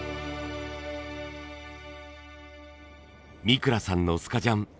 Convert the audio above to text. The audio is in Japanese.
三倉さんのスカジャン。